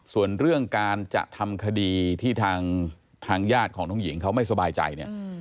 ส่วนเรื่องการจะทำคดีที่ทางญาติของน้องหญิงเขาไม่สบายใจเนี่ย